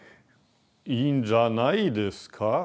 いいんじゃないですか。